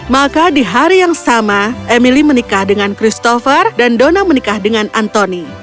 maka di hari yang sama emily menikah dengan christopher dan dona menikah dengan antoni